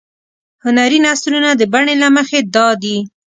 هنري نثرونه د بڼې له مخې دادي.